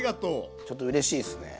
ちょっとうれしいっすね。